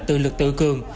tự lực tự cường